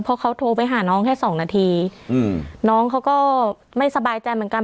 เพราะเขาโทรไปหาน้องแค่สองนาทีอืมน้องเขาก็ไม่สบายใจเหมือนกัน